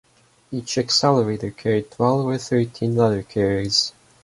Each accelerator carried twelve or thirteen letter-carriers.